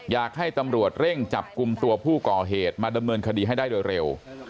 อยากให้ตำรวจเร่งจับกลุ่มตัวผู้ก่อเหตุมาดำเนินคดีให้ได้โดยเร็ว